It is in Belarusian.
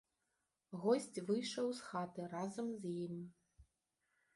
Госць выйшаў з хаты разам з ім.